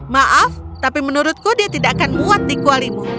maaf tapi menurutku dia tidak akan muat di kualimu